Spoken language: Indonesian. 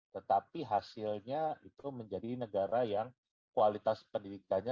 tetapi hasilnya itu menjadi negara yang kualitas pendidikannya